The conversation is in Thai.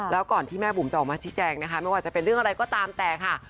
แล้วก่อนที่แม่บุ๋มจะออกมาชี้แจงนะคะไม่ว่าจะเป็นเรื่องอะไรก็ตามแต่ค่ะ